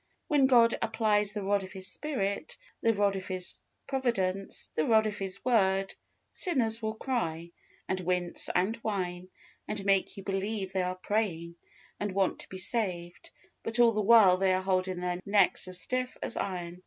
When God applies the rod of His Spirit, the rod of His providence, the rod of His Word, sinners will cry, and wince, and whine, and make you believe they are praying, and want to be saved, but all the while they are holding their necks as stiff as iron.